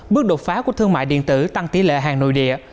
bước đột phá của thương mại điện tử tăng tỷ lệ hàng nội địa